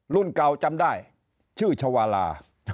รุ่นเก่าจำได้ชื่อชาวาลา